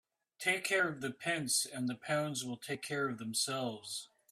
Take care of the pence and the pounds will take care of themselves.